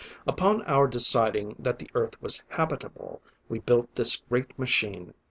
"Upon our deciding that the Earth was habitable, we built this great machine.